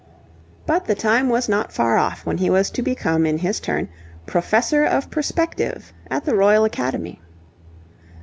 But the time was not far off when he was to become in his turn Professor of Perspective at the Royal Academy.